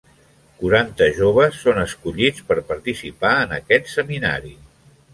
Quaranta joves són escollits per participar en aquest seminari.